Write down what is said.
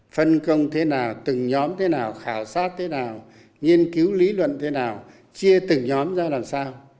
phân công thế nào từng nhóm thế nào khảo sát thế nào nghiên cứu lý luận thế nào chia từng nhóm ra làm sao